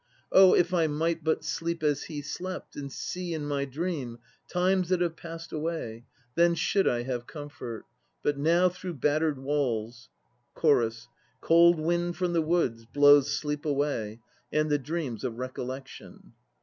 Oh if I might but sleep as he slept, and see in my dream Times that have passed away, then should I have comfort; But now through battered walls CHORUS. Cold wind from the woods Blows sleep away and the dreams of recollection.